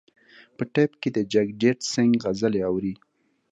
په ټیپ کې د جګجیت سنګ غزلې اوري.